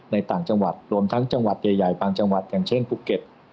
ต่างจังหวัดรวมทั้งจังหวัดใหญ่บางจังหวัดอย่างเช่นภูเก็ต